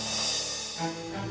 apa yang kamu lakukan